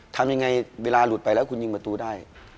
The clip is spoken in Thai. ทำยังไงเวลาหลุดไปแล้วคุณยิงประตูได้